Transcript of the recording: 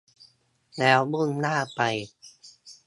แล้วมุ่งหน้าไป